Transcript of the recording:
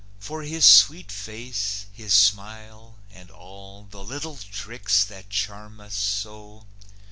For his sweet face, his smile, and all The little tricks that charm us so?